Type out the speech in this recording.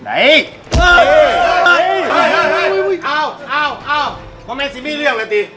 ไอ้เพราะแม่ซิมมี่เรื่องเลยสติ